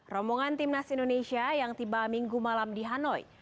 rombongan timnas indonesia yang tiba minggu malam di hanoi